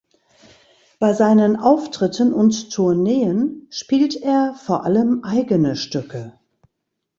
Bei seinen Auftritten und Tourneen spielt er vor allem eigene Stücke.